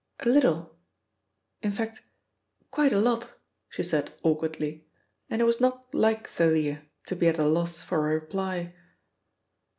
"A little. In fact, quite a lot," she said awkwardly, and it was not like Thalia to be at a loss for a reply.